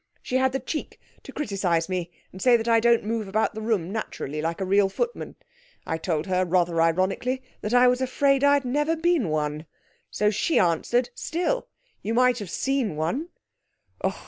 She had the cheek to criticise me and say that I don't move about the room naturally, like a real footman. I told her, rather ironically, that I was afraid I'd never been one. So she answered, "Still, you might have seen one."